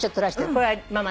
これママ。